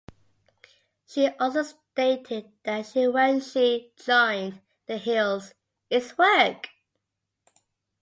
She also stated that when she joined "The Hills", "It's work!